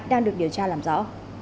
đang được điều tra làm rõ